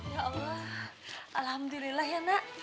ya allah alhamdulillah ya nak